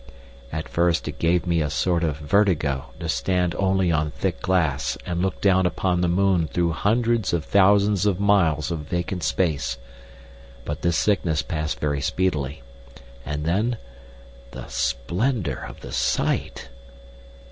At first it gave me a sort of vertigo to stand only on thick glass and look down upon the moon through hundreds of thousands of miles of vacant space; but this sickness passed very speedily. And then—the splendour of the sight!